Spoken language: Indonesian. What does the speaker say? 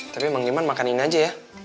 tapi mang diman makan ini aja ya